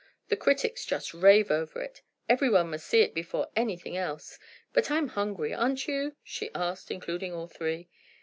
"The critics just rave over it! Everyone must see it before anything else! But I'm hungry; aren't you?" she asked, including all three.